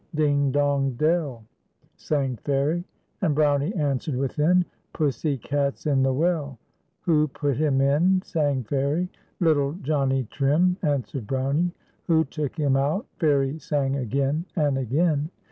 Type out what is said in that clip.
" Ding, dong, dell," sang Fairie, and Brownie answered within, " Pussy cat's in the well." " Who put him in ?" sang Fairie, "Little Johnnie Trim," answered Brownie. " Wlio took him out?" Fairie sang again and again.